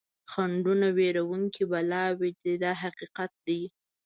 خنډونه وېروونکي بلاوې دي دا حقیقت دی.